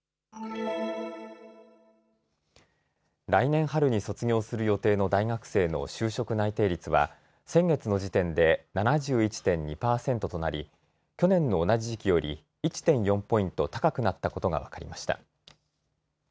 来年春に卒業する予定の大学生の就職内定率は先月の時点で７１．２％となり去年の同じ時期より１．４ポイント高くなったことが分かりました。